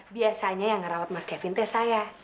biasanya yang ngerawat mas kevin itu saya